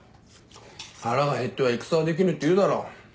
腹が減っては戦はできぬって言うだろ。